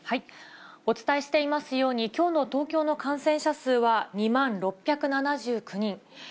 お伝えしていますように、きょうの東京の感染者数は２万６７９人。